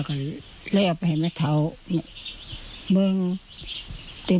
หลีหละถูกกินแหละแม่ของฉัน